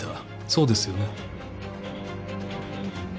そうですよね？